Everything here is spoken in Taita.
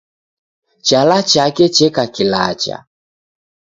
Chala chake cheka kilacha.